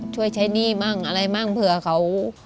ช่วยใช้หนี้มั่งอะไรมั่งเผื่อเขา